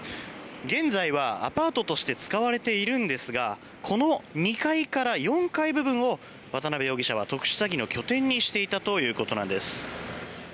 現在はアパートとして使われているんですがこの２階から４階部分を渡邉容疑者は特殊詐欺の拠点にしていたということなんです。